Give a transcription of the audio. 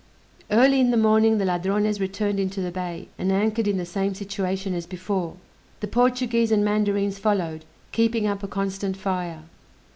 Early in the morning the Ladrones returned into the bay, and anchored in the same situation as before. The Portuguese and mandarines followed, keeping up a constant fire.